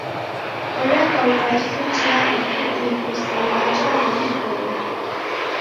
Oreka urwae suti ya ivu-ivu sa w'aja w'amu w'ori